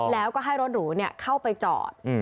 แล้วก็ให้รถหรูเข้าไปจอด